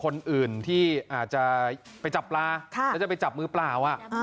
คนอื่นที่อาจจะไปจับปลาแล้วจะไปจับมือเปล่า